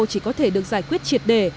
chỉ có thể được giải quyết triệt đề